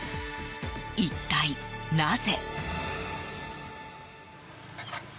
一体なぜ？